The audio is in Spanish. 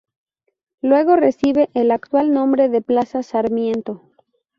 Luego recibe el actual nombre de Plaza Sarmiento.